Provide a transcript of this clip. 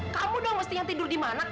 kamu dong mestinya tidur di mana